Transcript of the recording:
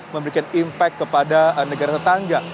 memberikan impact kepada negara tetangga